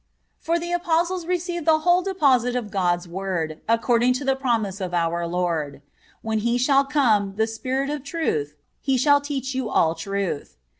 For the Apostles received the whole deposit of God's word, according to the promise of our Lord: "When He shall come, the Spirit of truth, He shall teach you all truth."